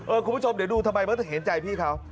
เออคุณผู้ชมเดี๋ยวดูทำไมเห็นใจพี่เขา